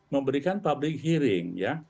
memberikan public hearing